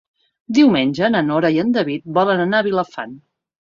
Diumenge na Nora i en David volen anar a Vilafant.